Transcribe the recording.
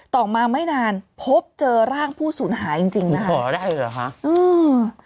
ต่อมาไม่นานพบเจอร่างผู้สูญหายจริงจริงนะคะอ๋อได้เหรอคะอืม